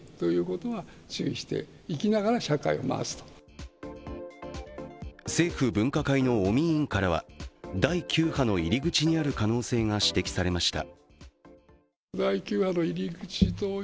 一方で政府分科会の尾身委員からは第９波の入り口にある可能性が指摘されました。